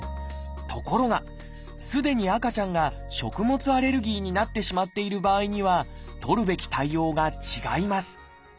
ところがすでに赤ちゃんが食物アレルギーになってしまっている場合には取るべき対応が違います